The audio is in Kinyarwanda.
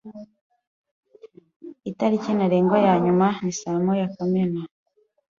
Itariki ntarengwa ya nyuma ni saa moya Kamena.